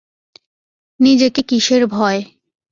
নিজেকে কিসের ভয়?